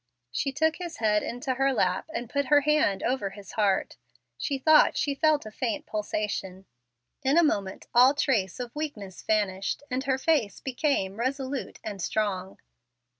She took his head into her lap, and put her hand over his heart. She thought she felt a faint pulsation. In a moment all trace of weakness vanished, and her face became resolute and strong.